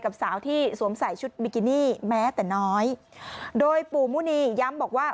สาวที่สวมใส่ชุดบิกินี่แม้แต่น้อยโดยปู่มุนีย้ำบอกว่า